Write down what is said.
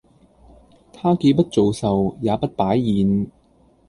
她既不做壽，也不擺宴